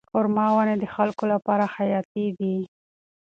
خورما ونې د خلکو لپاره حیاتي دي.